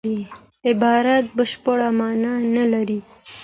عبارت بشپړه مانا نه لري.